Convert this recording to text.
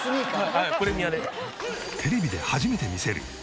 はいプレミアで。